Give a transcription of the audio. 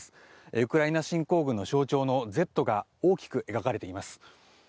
ウクライナ侵攻軍の象徴の「Ｚ」が大きく描かれています。